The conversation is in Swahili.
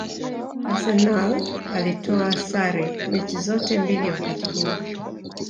Arsenal alitoa sare mechi zote mbili wakati huo